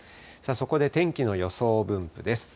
そこで天気の予想分布です。